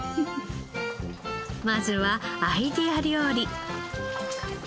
まずはアイデア料理。